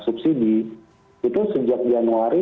subsidi itu sejak januari